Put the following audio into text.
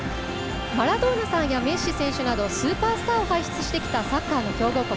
マラドーナさんやメッシ選手などスーパースターを輩出してきたサッカーの強豪国。